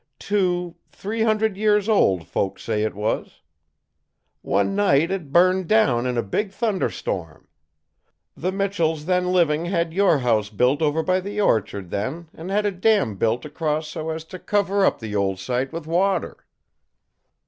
Two three hundred years old, folks say it was. One night it burned down in a big thunderstorm. The Michells then living had your house built over by the orchard, then, an' had a dam built across so as to cover up the old site with water.